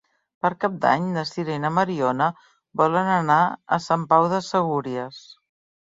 Per Cap d'Any na Sira i na Mariona volen anar a Sant Pau de Segúries.